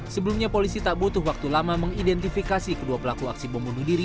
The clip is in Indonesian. sebelumnya polisi tak butuh waktu lama mengidentifikasi kedua pelaku aksi bom bunuh diri